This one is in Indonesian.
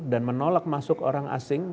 dan menolak masuk orang asing